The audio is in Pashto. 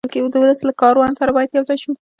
د ولس له کاروان سره باید یو ځای شو.